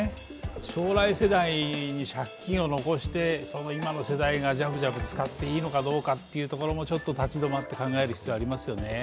将来世代に借金を残して今の世代がじゃぶじゃぶ使っていいのかということも立ち止まって考える必要ありますよね。